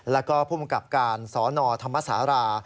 และผู้มกับการสทมสารา